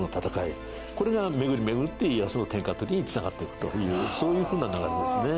これが巡り巡って家康の天下取りに繋がっていくというそういうふうな流れですね。